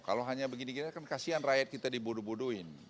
kalau hanya begini gini kan kasian rakyat kita dibodoh bodohin